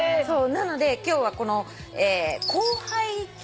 なので今日はこの広背筋。